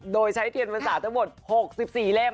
โดยใช้เทียนฟันศาสตร์ทั้งหมด๖๔เล่ม